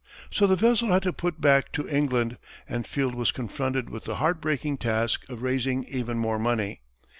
So the vessel had to put back to England, and Field was confronted with the heart breaking task of raising even more money.